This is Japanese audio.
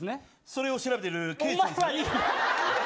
それを調べている刑事さんですね。